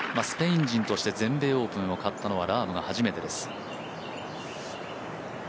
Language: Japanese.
スペイン人として全米オープンを勝ったのはラームが初めてです。